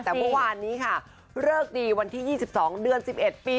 แต่เมื่อวานนี้ค่ะเลิกดีวันที่๒๒เดือน๑๑ปี